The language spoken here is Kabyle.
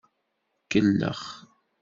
Kellex.